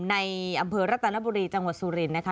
ในอำเภอรัตนบุรีจังหวัดสุรินทนะคะ